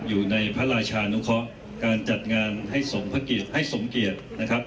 อยู่ในพระราชานุเคราะห์การจัดงานให้สมให้สมเกียรตินะครับ